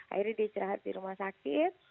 akhirnya dicerahat di rumah sakit